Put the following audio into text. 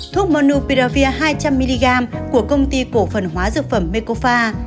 thuốc monopiravir hai trăm linh mg của công ty cổ phần hóa dược phẩm mekofa